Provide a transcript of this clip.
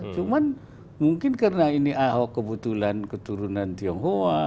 cuman mungkin karena ini ahok kebetulan keturunan tionghoa